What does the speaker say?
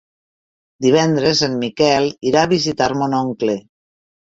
Divendres en Miquel irà a visitar mon oncle.